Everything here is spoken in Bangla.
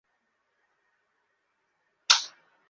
তিনি ছিলেন দায়িত্বে!